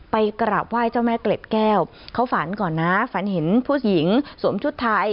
กราบไหว้เจ้าแม่เกล็ดแก้วเขาฝันก่อนนะฝันเห็นผู้หญิงสวมชุดไทย